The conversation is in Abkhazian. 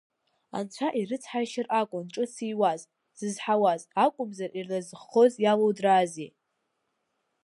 Анцәа ирыцҳаишьар акәын ҿыц ииуаз, зызҳауаз, акәымзар ирразҟхоз иалудраази.